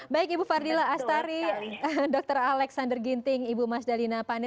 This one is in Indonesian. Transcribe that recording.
baik ibu fardila astari dr alexander ginting ibu mas dalina pane